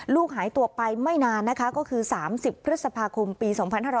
หายตัวไปไม่นานนะคะก็คือ๓๐พฤษภาคมปี๒๕๕๙